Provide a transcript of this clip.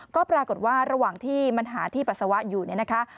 ก็ปรากฏว่าระหว่างที่มันหาที่ปัสสาวะอยู่เนี่ยนะคะ